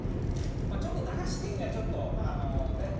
まあちょっと駄菓子っていうにはちょっとあのねっ。